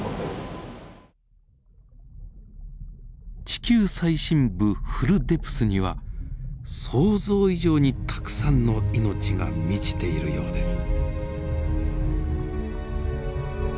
地球最深部フルデプスには想像以上にたくさんの命が満ちているようです。